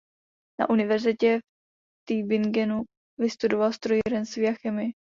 Na univerzitě v Tübingenu vystudoval strojírenství a chemii.